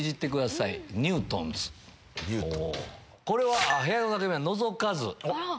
これは部屋の中身はのぞかず。